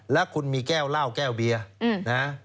แล้วคุณมีแก้วเหล้าแก้วเบียร์นะ